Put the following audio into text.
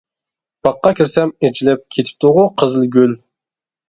باغقا كىرسەم ئېچىلىپ، كېتىپتىغۇ قىزىل گۈل.